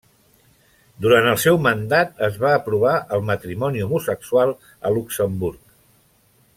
Durant el seu mandat es va aprovar el matrimoni homosexual a Luxemburg.